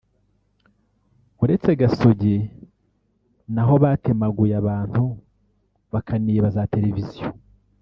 uretse Gasogi naho batemaguye abantu bakaniba za televiziyo